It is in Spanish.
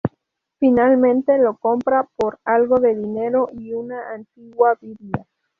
Finalmente, lo compra por algo de dinero y una antigua Biblia.